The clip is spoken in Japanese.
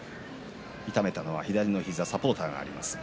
痛めたのは左の膝サポーターがあります。